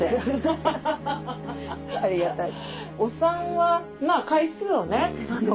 ありがたい。